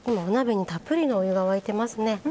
お鍋にたっぷりのお湯が沸いてますね。